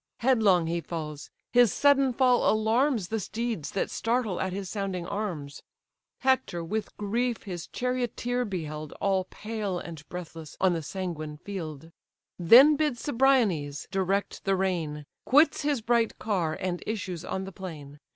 Headlong he falls: his sudden fall alarms The steeds, that startle at his sounding arms. Hector with grief his charioteer beheld All pale and breathless on the sanguine field: Then bids Cebriones direct the rein, Quits his bright car, and issues on the plain.